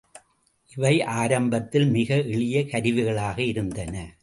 இவை ஆரம்பத்தில் மிக எளிய கருவிகளாக இருந்தன.